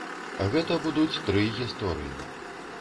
Гэта будуць тры гісторыі.